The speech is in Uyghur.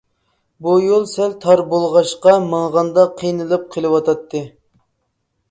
بۇ يول سەل تار بولغاچقا ماڭغاندا قىينىلىپ قېلىۋاتاتتى.